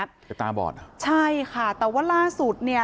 ตาบอดนะใช่ค่ะแต่ว่าล่าสุดเนี่ย